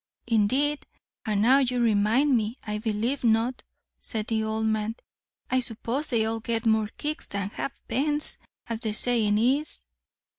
"Indeed, and now you remind me, I believe not," said the old man. "I suppose they all get more kicks than ha'pence, as the saying is."